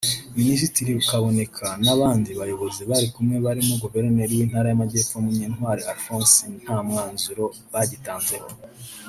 Minisitiri Kaboneka n’abandi bayobozi bari kumwe barimo Guverineri w’Intara y’Amajyepfo Munyantwali Alphonse nta mwanzuro bagitanzeho